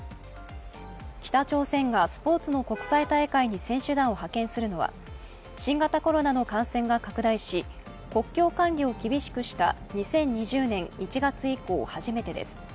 北朝鮮がスポーツの国際大会に選手団を派遣するのは新型コロナの感染が拡大し、国境管理を厳しくした２０２０年１月以降初めてです。